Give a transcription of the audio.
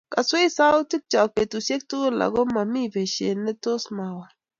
Kaswech sautik chok betushek tukul ako momii beshet netos mawol